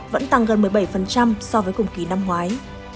vẫn tăng gần một mươi bảy so với cùng kỳ năm ngoái